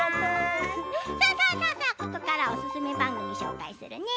ここからはおすすめ番組を紹介するね。